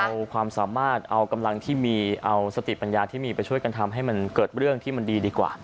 เอาความสามารถเอากำลังที่มีเอาสติปัญญาที่มีไปช่วยกันทำให้มันเกิดเรื่องที่มันดีดีกว่า